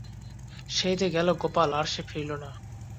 সেই যে গেল গোপাল আর সে ফিরিল না।